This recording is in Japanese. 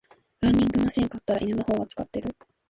ランニングマシン買ったら犬の方が使ってる